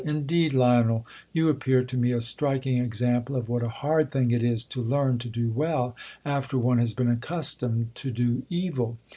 Indeed, Lionel, you appear to me a striking example of what a hard thing it is to learn to do well, after one has been accustomed to do evil.